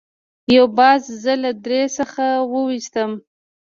یو باز زه له درې څخه وویستم.